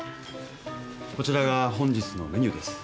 こちらが本日のメニューです。